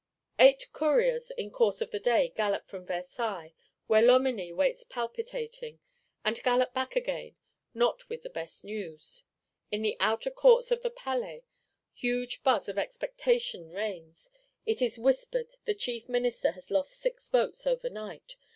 "Eight Couriers," in course of the day, gallop from Versailles, where Loménie waits palpitating; and gallop back again, not with the best news. In the outer Courts of the Palais, huge buzz of expectation reigns; it is whispered the Chief Minister has lost six votes overnight.